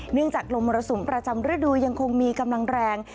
เนื่องจากลมระสุนประจำฤดูยังคงมีกำลังแรง